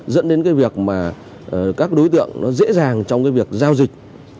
dẫn đến các đối tượng dễ dàng trong việc giao dịch